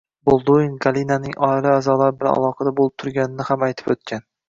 Bolduin Galinaning oila a’zolari bilan aloqada bo‘lib turganini ham aytib o‘tgan